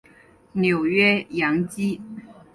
纽约洋基